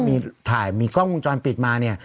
มีถ่ายมีกล้องวงจรปิดมาเนี่ย